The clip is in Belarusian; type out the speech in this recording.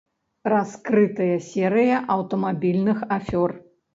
Раскрытая серыя аўтамабільных афёр.